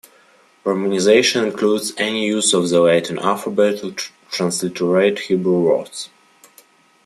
Romanization includes any use of the Latin alphabet to transliterate Hebrew words.